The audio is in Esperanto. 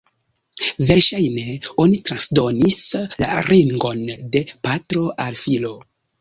Verŝajne oni transdonis la ringon de patro al filo.